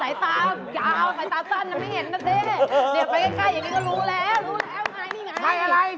แต่ไปใกล้อย่างนี้ก็รู้แล้วท้ายนี่ไง